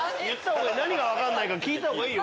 何が分かんないか聞いたほうがいいよ